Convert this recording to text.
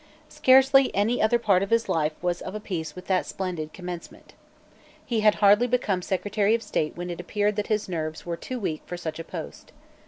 Scarcely any other part of his life was of a piece with that splendid commencement. He had hardly become Secretary of State when it appeared that his nerves were too weak for such a post.